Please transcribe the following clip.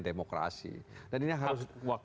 demokrasi dan ini harus